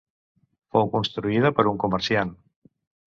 Fou construïda per un comerciant.